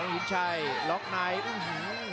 หินชัยล็อกไนท์